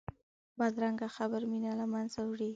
بدرنګه خبره مینه له منځه وړي